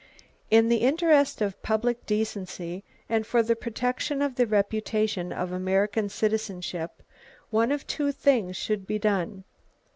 In the interest of public decency, and for the protection of the reputation of American citizenship, one of two things should be done.